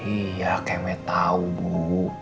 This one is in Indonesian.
iya keme tau bu